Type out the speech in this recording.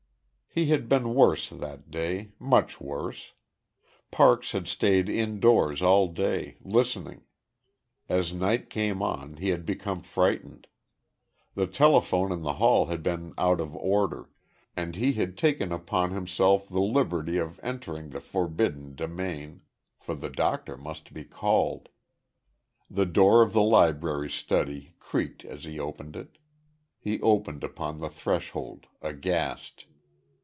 He had been worse that day much worse. Parks had stayed indoors all day, listening. As night came on, he had become frightened. The telephone in the hall had been out of order; and he had taken upon himself the liberty of entering the forbidden demesne; for the doctor must be called. The door of the library study creaked as he opened it.... He stopped upon the threshold, aghast.